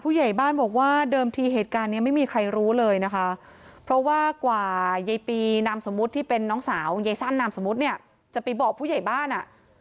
ผู้ใหญ่บ้านบอกว่าเดิมทีเหตุการณ์เนี้ยไม่มีใครรู้เลยนะคะเพราะว่ากว่ายายปีนามสมมุติที่เป็นน้องสาวยายสั้นนามสมมุติเนี่ยจะไปบอกผู้ใหญ่บ้านอ่ะ